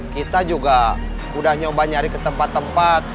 kita juga udah nyoba nyari ke tempat tempat